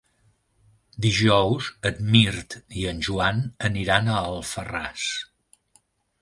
Dijous en Mirt i en Joan aniran a Alfarràs.